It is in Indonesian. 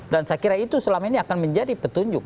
dan saya kira itu selama ini akan menjadi petunjuk